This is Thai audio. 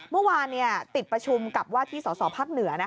เมื่อวานติดประชุมกับที่สวพักเหนือนะคะ